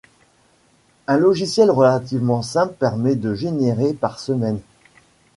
Un logiciel relativement simple permet de générer par semaine.